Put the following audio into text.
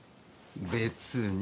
別に。